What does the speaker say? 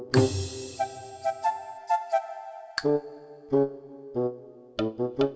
nggak ada yang dihantar